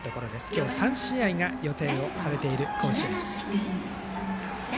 今日、３試合が予定されている甲子園です。